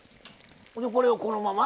これをこのまま？